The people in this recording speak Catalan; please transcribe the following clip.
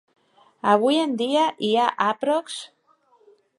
Avui en dia hi ha aprox.